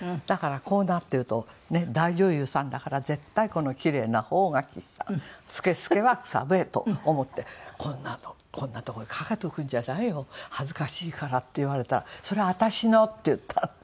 だからこうなってるとね大女優さんだから絶対キレイな方が岸さん透け透けは草笛と思って「こんなのこんなとこに掛けておくんじゃないよ恥ずかしいから」って言われたら「それ私の」って言ったの。